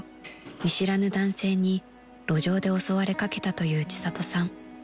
見知らぬ男性に路上で襲われかけたという千里さん］